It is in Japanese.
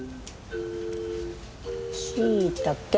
しいたけ。